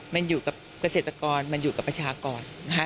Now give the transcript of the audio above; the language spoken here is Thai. มันอยู่กับเกษตรกรมันอยู่กับประชากรนะคะ